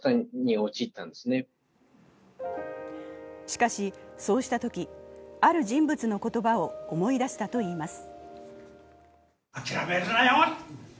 しかしそうしたときある人物の言葉を思い出したといいます。